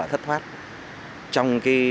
thất thoát trong cái